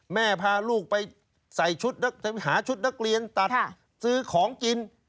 พาลูกไปใส่ชุดหาชุดนักเรียนตัดซื้อของกิน